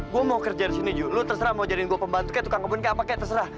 gue mau kerja di sini ju lo terserah mau jadi gue pembantu kayak tukang kebun kayak apa terserah